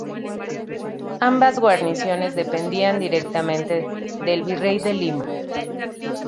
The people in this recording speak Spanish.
Ambas guarniciones dependían directamente del Virrey de Lima.